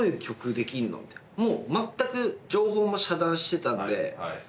もうまったく情報も遮断してたんで。